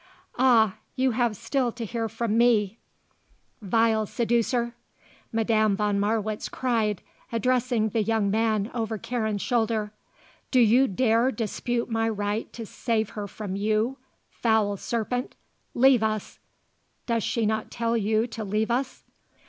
"Ah! You have still to hear from me vile seducer!" Madame von Marwitz cried, addressing the young man over Karen's shoulder. "Do you dare dispute my right to save her from you foul serpent! Leave us! Does she not tell you to leave us?"